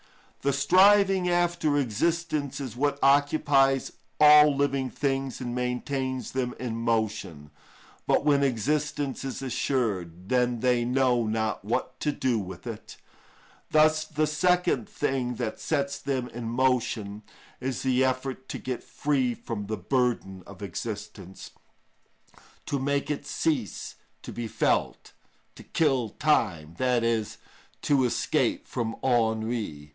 The striving after existence is what occupies all living things and maintains them in motion. But when existence is assured, then they know not what to do with it; thus the second thing that sets them in motion is the effort to get free from the burden of existence, to make it cease to be felt, "to kill time," i.e., to escape from ennui.